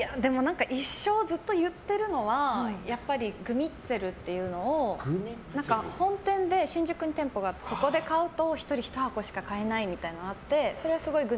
一生、ずっと言ってるのはやっぱりグミッツェルっていうのを本店で新宿に店舗があって１人１箱しか買えないみたいなのがあって。